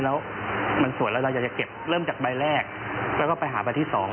แล้วมันสวยแล้วเราอยากจะเก็บเริ่มจากใบแรกแล้วก็ไปหาใบที่๒